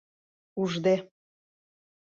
— Ужде.